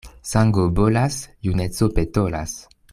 Sango bolas, juneco petolas.